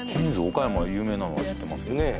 岡山有名なのは知ってますけどねえ